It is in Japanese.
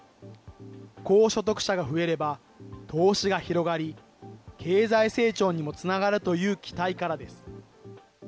高所得者が増えれば、投資が広がり、経済成長にもつながるという期待からです。